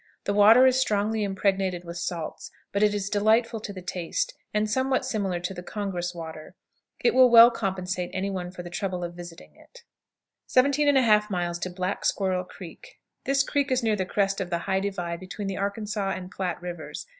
The water is strongly impregnated with salts, but is delightful to the taste, and somewhat similar to the Congress water. It will well compensate any one for the trouble of visiting it. 17 1/2. Black Squirrel Creek. This creek is near the crest of the high divide between the Arkansas and Platte Rivers.